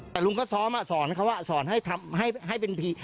แต่ลุงก็ซ้อมสอนเขาสอนให้เป็นผี